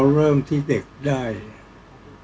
ก็ต้องทำอย่างที่บอกว่าช่องคุณวิชากำลังทำอยู่นั่นนะครับ